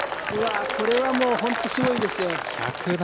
これはもう本当にすごいですよ。